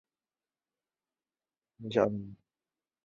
曾经效力于日本职棒千叶罗德海洋队。